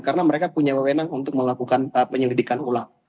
karena mereka punya wewenang untuk melakukan penyelidikan ulang